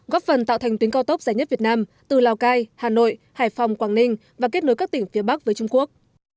góp phần tạo thành tuyến cao tốc dài nhất việt nam từ lào cai hà nội hải phòng quảng ninh và kết nối các tỉnh phía bắc với trung quốc